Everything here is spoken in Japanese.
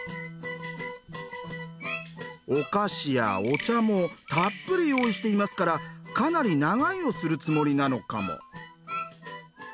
お菓子やお茶もたっぷり用意していますからかなり長居をするつもりなのかも。